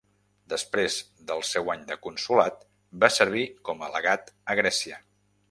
Després del seu any de consolat va servir com a legat a Grècia.